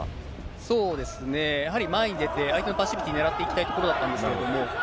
そうですね、やはり前に出て、相手のパッシビティねらっていきたいところだったんですけれども。